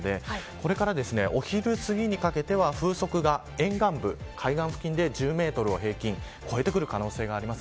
これからお昼過ぎにかけて風速が、沿岸部、海岸付近で１０メートルを平均超えてくる可能性があります。